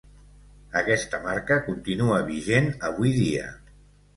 Aquesta marca contínua vigent avui dia.